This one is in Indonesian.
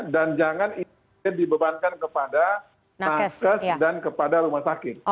dan jangan ini dibebankan kepada nakes dan kepada rumah sakit